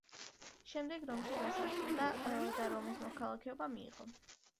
შემდეგ რომში დასახლდა და რომის მოქალაქეობა მიიღო.